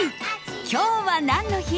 今日は何の日？